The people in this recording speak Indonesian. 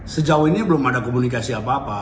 sejauh ini belum ada komunikasi apa apa